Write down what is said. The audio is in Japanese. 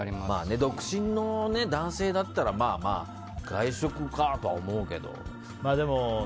独身の男性だったらまあまあ、外食かと思うけど。